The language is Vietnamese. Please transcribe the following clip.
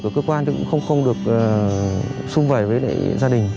các cơ quan cũng không được xung vầy với gia đình